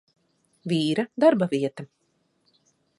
Vīra darbavieta.